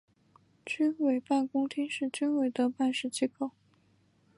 军委办公厅是军委的办事机构。